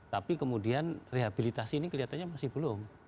tapi kemudian rehabilitasi ini kelihatannya masih belum